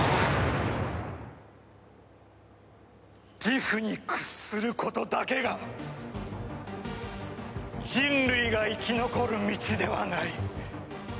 ギフに屈することだけが人類が生き残る道ではない。